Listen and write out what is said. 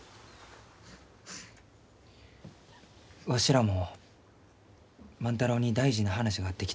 わしらも万太郎に大事な話があって来たがじゃ。